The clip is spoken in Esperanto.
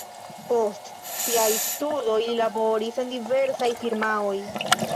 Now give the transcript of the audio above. Post siaj studoj li laboris en diversaj firmaoj.